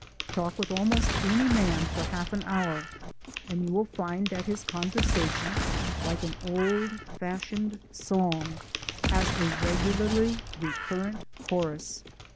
Talk with almost any man for half an hour, and you will find that his conversation, like an old fashioned song, has a regularly recurrent chorus.